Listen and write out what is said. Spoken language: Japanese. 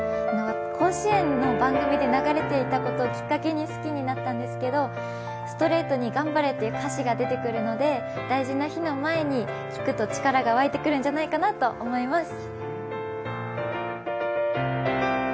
甲子園の番組で流れていたことをきっかけに好きになったんですけどストレートに頑張れという歌詞が出てくるので大事な日の前に聴くと力が湧いてくるんじゃないかなと思います。